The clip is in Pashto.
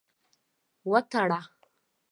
وتړه.